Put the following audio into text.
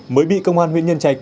mới bị công an huyện nhân trạch